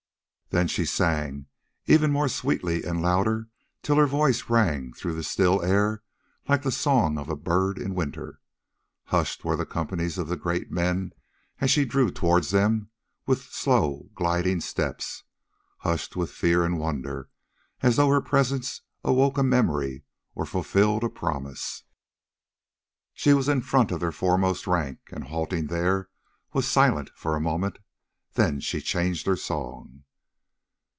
Thus she sang, ever more sweetly and louder, till her voice rang through the still air like the song of a bird in winter. Hushed were the companies of the Great Men as she drew towards them with slow gliding steps—hushed with fear and wonder, as though her presence awoke a memory or fulfilled a promise. Now she was in front of their foremost rank, and, halting there, was silent for a moment. Then she changed her song.